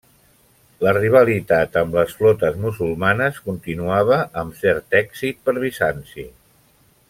La rivalitat amb les flotes musulmanes continuava amb cert èxit per Bizanci.